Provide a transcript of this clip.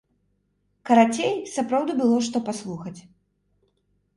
Карацей, сапраўды было што паслухаць.